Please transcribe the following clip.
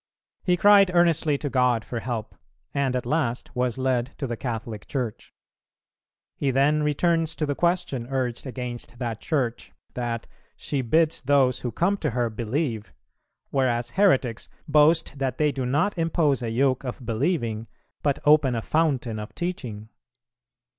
He cried earnestly to God for help, and at last was led to the Catholic Church. He then returns to the question urged against that Church, that "she bids those who come to her believe," whereas heretics "boast that they do not impose a yoke of believing, but open a fountain of teaching."